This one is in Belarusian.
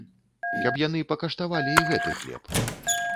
Каб яны пакаштавалі і гэты хлеб.